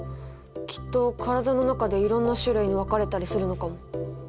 きっと体の中でいろんな種類に分かれたりするのかも。